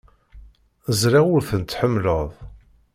Ẓriɣ ur ten-tḥemmleḍ.